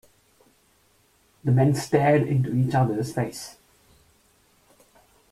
The men stared into each other's face.